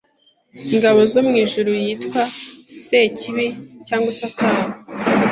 ingabo zo mwijuru yitwa Sekibi cyangwa Satani